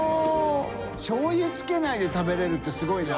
醤油つけないで食べれるってすごいな。